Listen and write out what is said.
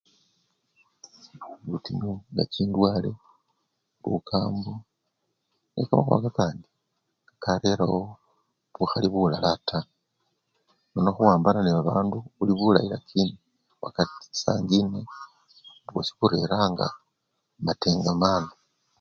Butinyu nechindwale, lukambo nekamakhuwa kakandi karerawo bukhali bulala taa nono khuwambana nebabandu khuli khulayi lakini wakati sangine bukosi bureranga matengemano.